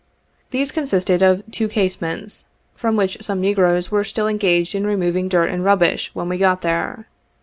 These consisted of two casemates, from which some negroes were still engaged in removing dirt and rubbish, when we got there.